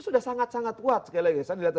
sudah sangat sangat kuat sekali lagi saya lihat di